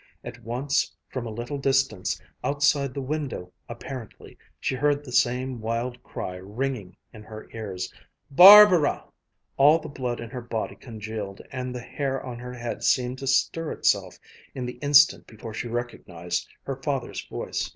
At once from a little distance, outside the window apparently, she heard the same wild cry ringing in her ears "Bar ba ra!" All the blood in her body congealed and the hair on her head seemed to stir itself, in the instant before she recognized her father's voice.